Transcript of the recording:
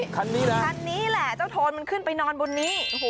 คันนี้นะคันนี้แหละเจ้าโทนมันขึ้นไปนอนบนนี้